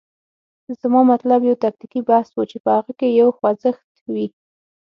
زما مطلب یو تکتیکي بحث و، چې په هغه کې یو خوځښت وي.